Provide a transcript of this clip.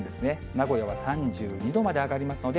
名古屋は３２度まで上がりますの